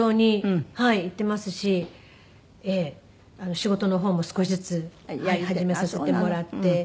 仕事の方も少しずつ始めさせてもらって。